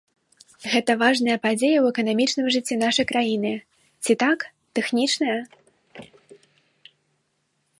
Гэта важная падзея ў эканамічным жыцці нашай краіны, ці так, тэхнічная?